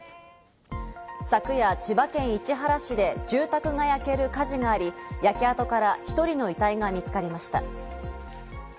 昨夜、千葉県市原市で住宅が焼ける火事があり、焼け跡から１人の遺体が見つかりました。